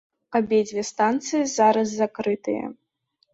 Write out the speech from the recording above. Абедзве станцыі зараз закрытыя.